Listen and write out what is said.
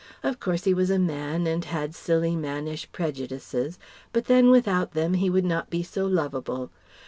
Of course he was a man and had silly mannish prejudices, but then without them he would not be so lovable.